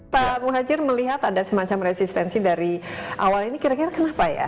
pak muhajir melihat ada semacam resistensi dari awal ini kira kira kenapa ya